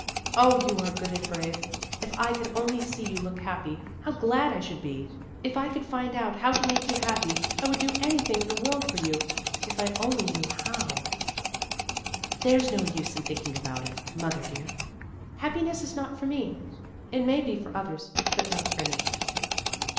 Oh, you are good and brave! If I could only see you look happy, how glad I should be! If I could find out how to make you happy! I would do anything in the world for you, if I only knew how!" "There is no use in thinking about it, mother dear. Happiness is not for me. It may be for others, but not for me."